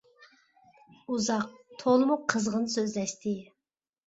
ئۇزاق، تولىمۇ قىزغىن سۆزلەشتى.